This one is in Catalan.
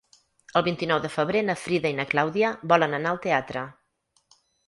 El vint-i-nou de febrer na Frida i na Clàudia volen anar al teatre.